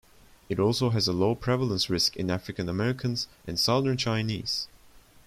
It also has a low prevalence risk in African Americans and southern Chinese.